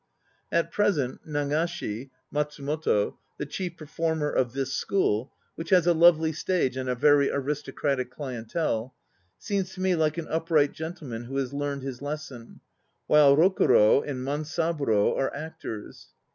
At present Nagashi (Mat sumoto), the chief performer of this school (which has a lovely stage and a very aristocratic clientele), seems to me like an upright gentleman who has learned his lesson, while Rokuro and Mansaburo are actors.